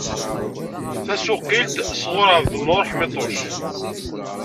Tasuqqilt sɣur Ɛebdnnur Ḥamituc.